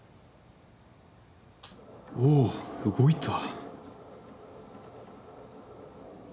おおっ動いた。